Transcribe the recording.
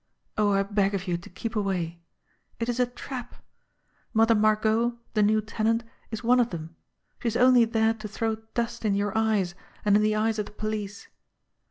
Oh, I beg of you to keep away ! It is a trap. Mother Margot, the new tenant, is one of them. She is only there to throw dust in your eyes, and in the eyes of the police.